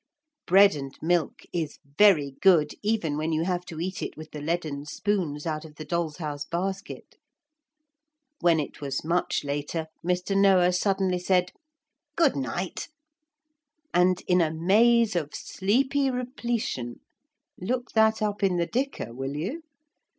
Bread and milk is very good even when you have to eat it with the leaden spoons out of the dolls' house basket. When it was much later Mr. Noah suddenly said 'good night,' and in a maze of sleepy repletion (look that up in the dicker, will you?)